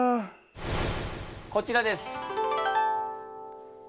こちらです。